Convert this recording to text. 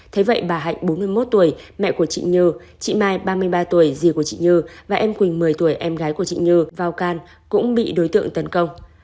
thế vậy bà hạnh bốn mươi một tuổi mẹ của chị như chị mai ba mươi ba tuổi rìa của chị như và em quỳnh một mươi tuổi em gái của chị nhừ vào can cũng bị đối tượng tấn công